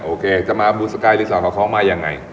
โอเคจะมาบูนสกายรีสอร์ทของเขามายังไง